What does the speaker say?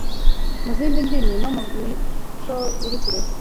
mu zindi ndimi no mu mico iri kure